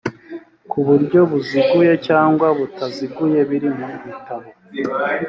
ku buryo buziguye cyangwa butaziguye biri mu bitabo